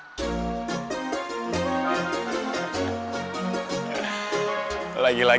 kalian semuanya dua orang